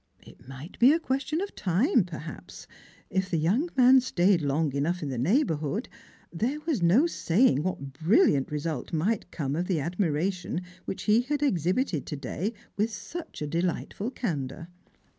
It might be a question of time, perhaps. If the young man stayed long enough in the neighbourhood, there was no saying what brilliant result might come of the admiration which he had exhibited to day with such a delightful candour.